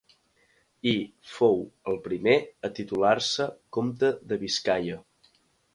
I fou el primer a titular-se comte de Biscaia.